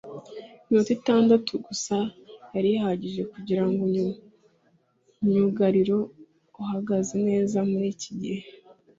Iminota itandatu gusa yari ihagije kugira ngo myugariro uhagaze neza muri iki gihe